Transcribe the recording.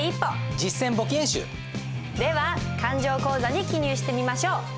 実践簿記演習！では勘定口座に記入してみましょう。